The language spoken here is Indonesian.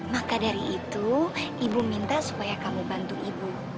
maka dari itu ibu minta supaya kamu bantu ibu